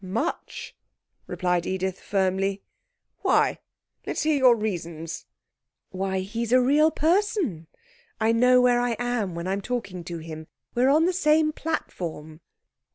'Much,' replied Edith firmly. 'Why? Let's hear your reasons.' 'Why, he's a real person. I know where I am when I'm talking to him we're on the same platform.'